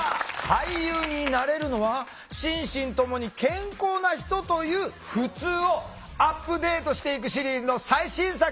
「俳優になれるのは心身ともに健康な人」というふつうをアップデートしていくシリーズの最新作。